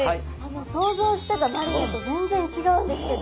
想像してたマリネと全然違うんですけど。